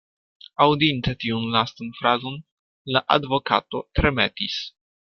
Aŭdinte tiun lastan frazon, la advokato tremetis.